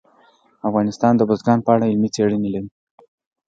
افغانستان د بزګان په اړه علمي څېړنې لري.